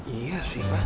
iya sih pak